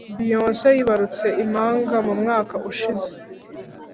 Beyonce yibarutse impanga mumwaka ushize